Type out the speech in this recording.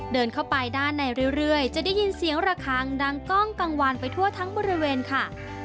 เดินเข้าไปด้านในเรื่อยจะได้ยินเสียงระคังดังกล้องกลางวันไปทั่วทั้งบริเวณค่ะ